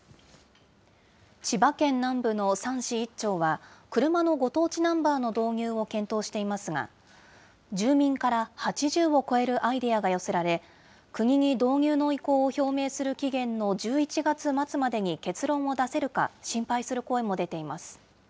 千葉県南部の３市１町は、車のご当地ナンバーの導入を検討していますが、住民から８０を超えるアイデアが寄せられ、国に導入の意向を表明する期限の１１月末までに結論を出せるか心